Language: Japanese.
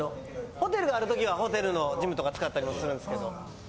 ホテルがある時はホテルのジムとか使ったりもするんですけど。